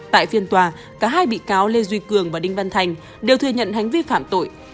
tại phiên tòa cả hai bị cáo lê duy cường và đinh văn thành đều thừa nhận hành vi phạm tội